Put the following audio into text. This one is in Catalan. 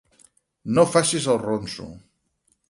No facis el ronso.